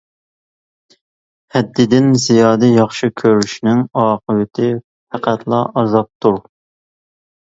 ھەددىدىن زىيادە ياخشى كۆرۈشنىڭ ئاقىۋىتى پەقەتلا ئازابتۇر.